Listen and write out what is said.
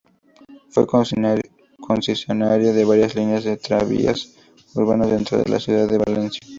Fue concesionaria de varias líneas de tranvías urbanos dentro de la ciudad de Valencia.